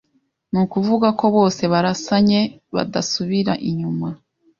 Ni ukuvuga ko bose barasanye badasubira inyuma